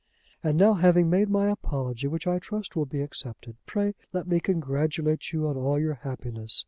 "And now, having made my apology, which I trust will be accepted, pray let me congratulate you on all your happiness.